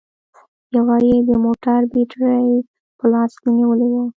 يوه يې د موټر بېټرۍ په لاس کې نيولې وه